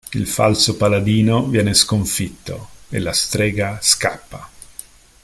Il falso paladino viene sconfitto e la strega scappa.